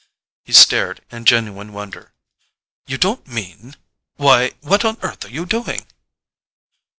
He stared in genuine wonder. "You don't mean—? Why, what on earth are you doing?"